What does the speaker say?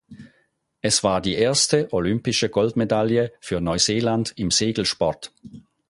Es war die erste olympische Goldmedaille für Neuseeland im Segelsport.